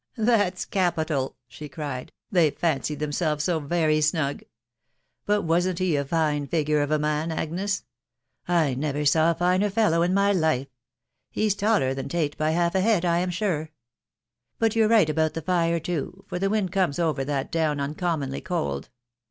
" That's capital!" she cried; "they fancied them selves so very snug. But wasn't he a fine figure of a man, Agnes ? I never saw a finer fellow in my life. He's taller than Tate by half a head, I am sure. But you're right about the fire too, for the wind comes over that down uncommonly cold.